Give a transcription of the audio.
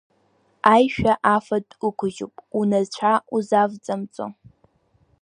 Аишәа афатә ықәжьуп унацәа узавҵамҵо.